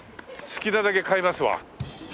好きなだけ買いますわ。